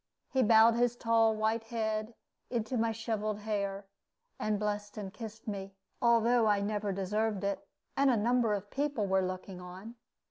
He bowed his tall white head into my sheveled hair, and blessed and kissed me, although I never deserved it, and a number of people were looking on.